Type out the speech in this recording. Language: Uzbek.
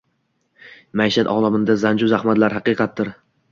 Maishat olaminda ranju zahmatlar haqiqatdir